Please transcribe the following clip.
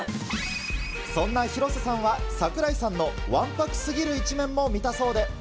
そんな広瀬さんは、櫻井さんのわんぱくすぎる一面も見たそうで。